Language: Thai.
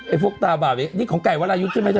ไอ้พวกตาบาบอีกนี่ของไก่วันอายุใช่ไหมเธอ